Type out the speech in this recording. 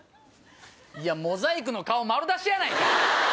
モザイクの顔丸出しやないか！